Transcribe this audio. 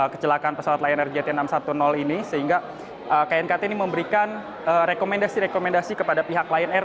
kecelakaan pesawat lion air jt enam ratus sepuluh ini sehingga knkt ini memberikan rekomendasi rekomendasi kepada pihak lion air